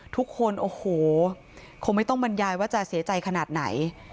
ทุกคนโอ้โหคงไม่ต้องบรรยายว่าจะเสียใจขนาดไหน